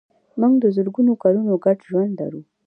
موږ د زرګونو کلونو ګډ ژوند لرو.